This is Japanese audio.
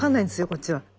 こっちは。